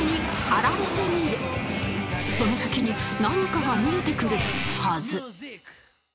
その先に何かが見えてくるはず